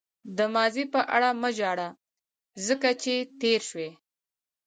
د ماضي په اړه مه ژاړه ځکه چې تېر شوی.